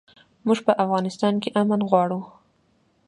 موږ په افغانستان کښې امن غواړو